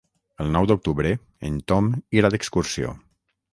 El nou d'octubre en Tom irà d'excursió.